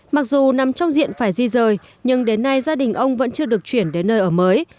mặc dù nằm trong diện phải di rời nhưng đến nay gia đình ông vẫn chưa được chuyển đến nơi ở mới